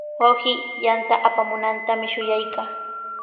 Wawqii yanta apamunantami shuyaykaa.